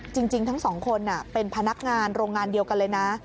จริงทั้งสองคนเป็นพนักงานโรงงานเดียวกันเลยนะ